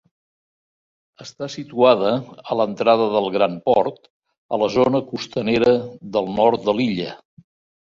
Està situada a l'entrada del Gran Port, a la zona costanera del nord de l'illa.